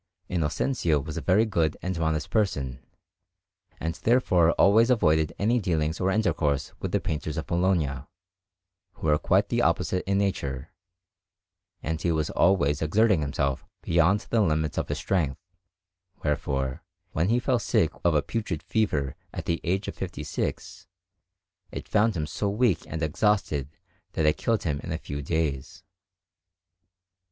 Innocenzio was a very good and modest person, and therefore always avoided any dealings or intercourse with the painters of Bologna, who were quite the opposite in nature, and he was always exerting himself beyond the limits of his strength; wherefore, when he fell sick of a putrid fever at the age of fifty six, it found him so weak and exhausted that it killed him in a few days.